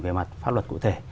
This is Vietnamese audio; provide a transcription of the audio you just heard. về mặt pháp luật cụ thể